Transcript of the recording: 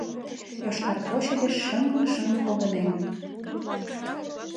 Йошкар площадьыш шыҥ-шыҥ погынен.